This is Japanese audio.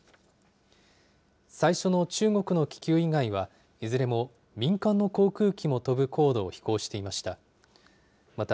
最初の中国の気球以外は、いずれも民間の航空機も飛ぶ高度を飛行していました。